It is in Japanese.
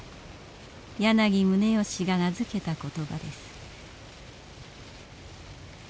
柳宗悦が名付けた言葉です。